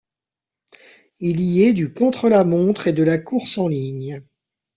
Il y est du contre-la-montre et de la course en ligne.